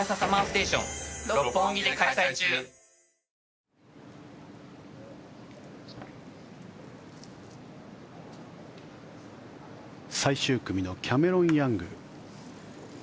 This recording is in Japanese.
ＹＫＫＡＰ最終組のキャメロン・ヤング。